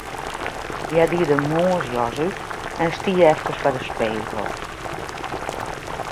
Hja die de moarnsjas út en stie efkes foar de spegel.